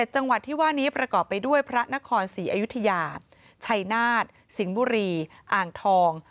จังหวัดที่ว่านี้ประกอบไปด้วยพระนครศรีอยุธยาชัยนาฏสิงห์บุรีอ่างทอง